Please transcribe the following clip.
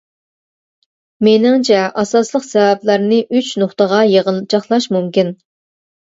مېنىڭچە ئاساسلىق سەۋەبلەرنى ئۈچ نۇقتىغا يىغىنچاقلاش مۇمكىن.